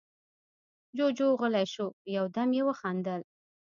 جُوجُو غلی شو، يو دم يې وخندل: